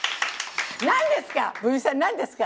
何ですか？